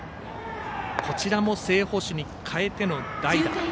こちらも正捕手に代えての代打。